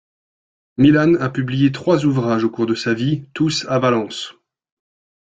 Milán a publié trois ouvrages au cours de sa vie, tous à Valence.